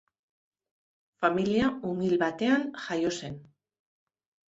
Familia umil batean jaio zen.